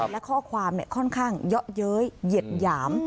และข้อความค่อนข้างเยอะเย้ยเหยียดหยาม